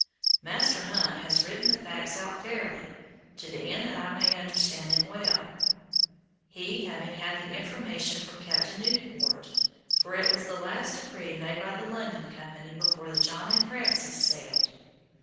Master Hunt has written the facts out fairly, to the end that I may understand them well, he having had the information from Captain Newport, for it was the last decree made by the London Company before the John and Francis sailed.